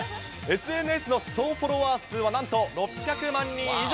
ＳＮＳの総フォロワー数はなんと６００万人以上。